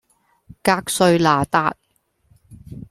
格瑞那達